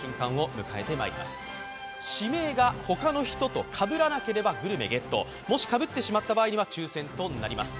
指名がほかの人とかぶらなければグルメゲット、もしかぶってしまった場合は抽選となります。